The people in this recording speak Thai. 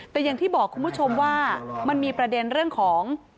แต่อย่างที่บอกคุณผู้ชมว่ามันมีประเด็นเรื่องของ